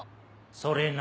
それな。